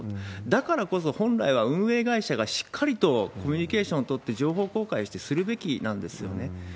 だからこそ、本来は運営会社がしっかりとコミュニケーション取って、情報公開してしっかりするべきなんですよね。